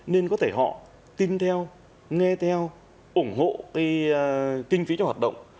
nên có thể họ tin theo nghe theo ủng hộ cái kinh phí cho hoạt động